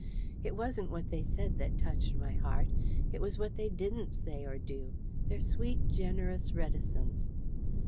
It wasn't what they said that touched my heart: it was what they didn't say or do their sweet, generous reticence.